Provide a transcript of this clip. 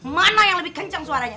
mana yang lebih kencang suaranya